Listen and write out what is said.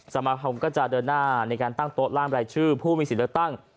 สมาคมก็จะเดินหน้าในการตั้งโต๊ะล่ามรายชื่อผู้มีสิทธิ์เลือกตั้ง